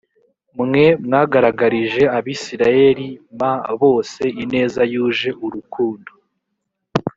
mwe mwagaragarije abisirayeli m bose ineza yuje urukundo